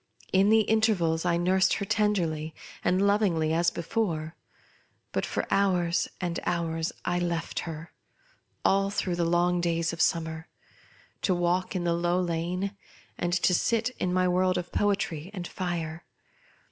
In the intervals, I nursed her tenderly and lovingly as bt fore ; but for hours and hours I left her— all through the long days of summer — to walk in the Low Lane, and to sit in my world of poetry and fire.